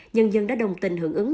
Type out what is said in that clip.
nhân dân đã đồng tình hưởng ứng